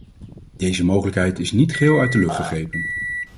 Deze mogelijkheid is niet geheel uit de lucht gegrepen.